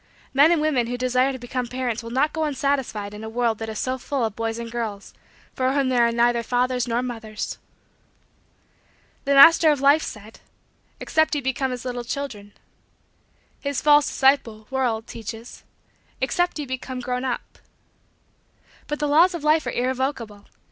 Men and women who desire to become parents will not go unsatisfied in a world that is so full of boys and girls for whom there are neither fathers nor mothers. The Master of Life said: "Except ye become as little children." His false disciple world teaches: "Except ye become grown up." But the laws of Life are irrevocable.